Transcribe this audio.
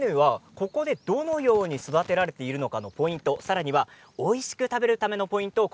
ここでどうして育てられているかのポイントおいしく食べるためのポイント